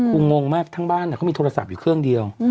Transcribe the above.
งงมากทั้งบ้านเขามีโทรศัพท์อยู่เครื่องเดียว